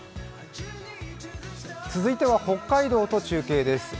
続いては北海道と中継です。